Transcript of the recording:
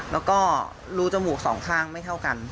แล้วก็รูจมูกสองข้างไม่เท่ากัน